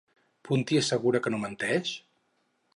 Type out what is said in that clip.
Puntí assegura que no menteix?